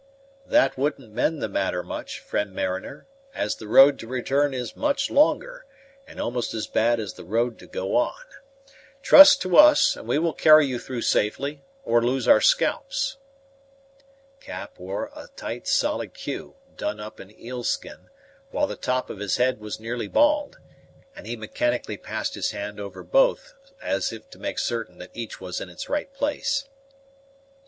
"That wouldn't mend the matter much, friend mariner, as the road to return is much longer, and almost as bad as the road to go on. Trust to us, and we will carry you through safely, or lose our scalps." Cap wore a tight solid queue, done up in eelskin, while the top of his head was nearly bald; and he mechanically passed his hand over both as if to make certain that each was in its right place.